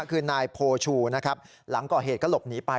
คือนายโพชูนะครับหลังก่อเหตุก็หลบหนีไป